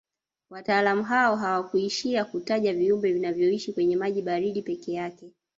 Wataalamu hao hawakuishia kutaja viumbe vinavyoishi kwenye maji baridi peke yake